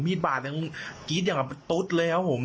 มีดบาดกิ๊ดอย่างตุ๊ดเลยครับผม